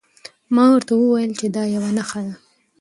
ما ورته وویل چې دا یوه نښه ده.